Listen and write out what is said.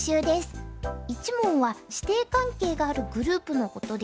一門は師弟関係があるグループのことです。